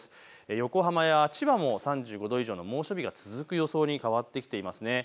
横浜や千葉も３５度以上の猛暑日が続く予想に変わってきています。